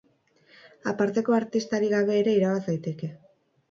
Aparteko artistarik gabe ere irabaz daiteke.